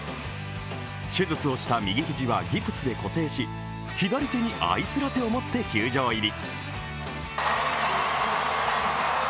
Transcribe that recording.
手術をした右肘はギプスで固定し、左手にアイスラテを持って球場入り。